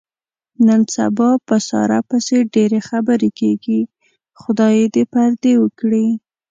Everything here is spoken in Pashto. نن سبا په ساره پسې ډېرې خبرې کېږي. خدای یې دې پردې و کړي.